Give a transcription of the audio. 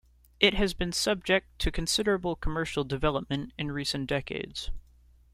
It has been subject to considerable commercial development in recent decades.